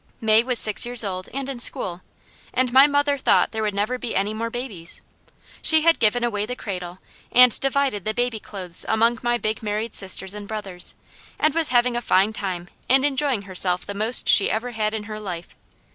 May was six years old and in school, and my mother thought there never would be any more babies. She had given away the cradle and divided the baby clothes among my big married sisters and brothers, and was having a fine time and enjoying herself the most she ever had in her life.